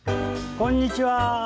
こんにちは。